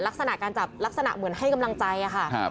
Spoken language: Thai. ลักษณะการจับลักษณะเหมือนให้กำลังใจค่ะ